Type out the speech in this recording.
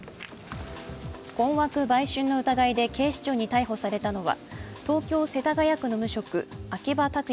困惑売春の疑いで警視庁に逮捕されたのは東京・世田谷区の無職秋葉拓也